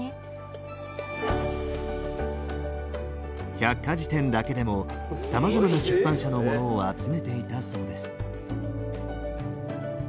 百科事典だけでもさまざまな出版社のものを集めていたそうです。